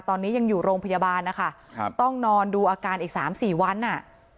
ตอนนี้ยังอยู่โรงพยาบาลนะคะครับต้องนอนดูอาการอีกสามสี่วันอ่ะ